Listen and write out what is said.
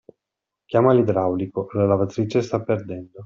Chiama l'idraulico, la lavatrice sta perdendo.